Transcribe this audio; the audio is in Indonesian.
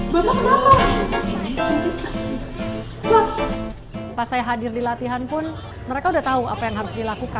namun baru kali ini lea dapat terjun langsung untuk berkolaborasi bersama mereka